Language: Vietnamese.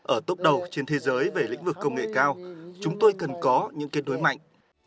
ở tốc đầu trên thế giới về lĩnh vực công nghệ cao chúng tôi cần có những kết nối mạnh